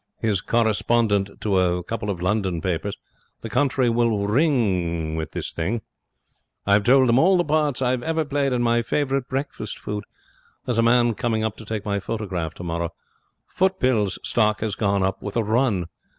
He's correspondent to a couple of London papers. The country will ring with this thing. I've told them all the parts I've ever played and my favourite breakfast food. There's a man coming up to take my photograph tomorrow. Footpills stock has gone up with a run.